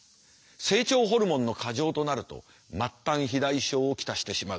成長ホルモンの過剰となると末端肥大症を来してしまう。